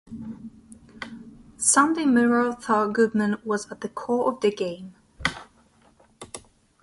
Sunday Mirror thought Goodman was at the core of the game.